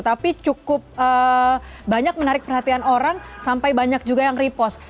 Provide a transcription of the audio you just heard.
tapi cukup banyak menarik perhatian orang sampai banyak juga yang repost